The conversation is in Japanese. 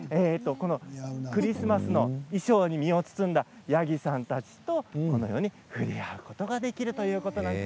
クリスマスの衣装に身を包んだヤギさんたちとこのように触れ合うことができるということです。